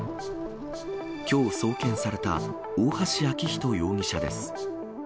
きょう送検された大橋昭仁容疑者です。